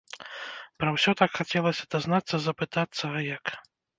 Пра ўсё так хацелася дазнацца, запытацца, а як?!